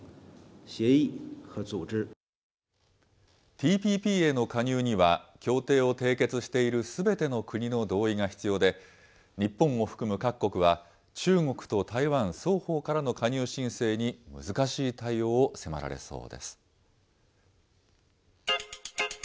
ＴＰＰへの加入には、協定を締結しているすべての国の同意が必要で、日本を含む各国は、中国と台湾双方からの加入申請に、難しい対応を迫られそうです。